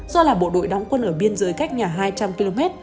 do là bộ đội đóng quân ở biên giới cách nhà hai trăm linh km